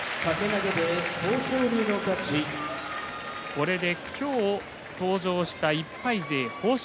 これで今日登場した１敗勢豊昇